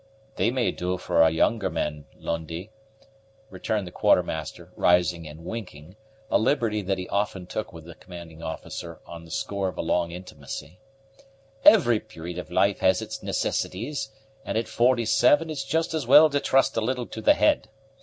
"They may do for younger men, Lundie," returned the Quartermaster, rising and winking, a liberty that he often took with his commanding officer on the score of a long intimacy; "every period of life has its necessities, and at forty seven it's just as well to trust a little to the head.